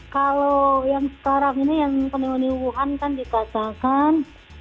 kalau yang sekarang ini yang pneumonia wuhan kan dikatakan